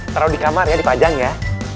terlalu di kamar ya dipajang ya